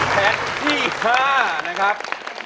แผ่นที่๕นะครับ